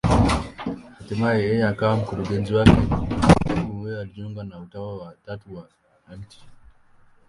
Hatimaye yeye akawa mkurugenzi wake, wakati mumewe alijiunga na Utawa wa Tatu wa Mt.